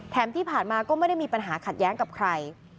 ที่ผ่านมาก็ไม่ได้มีปัญหาขัดแย้งกับใคร